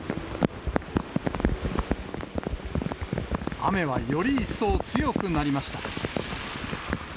雨はより一層強くなりました。